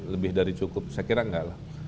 lebih dari cukup saya kira enggak lah